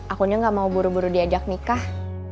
akunya gak mau buru buru diajak nikah